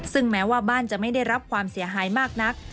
ซึ่งแม้ว่าบ้านจะไม่ได้รับความเสียหายมากนัก